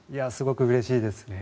すごくうれしいです。